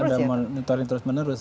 harus ada monitoring terus menerus